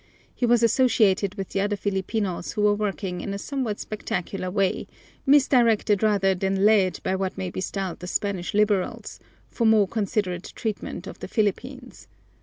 He was associated with the other Filipinos who were working in a somewhat spectacular way, misdirected rather than led by what may be styled the Spanish liberals, for more considerate treatment of the Philippines.